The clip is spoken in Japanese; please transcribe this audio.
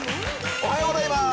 おはようございます。